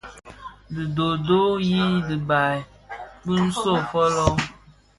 Dhi doodoo yi biban bin nso fōlō.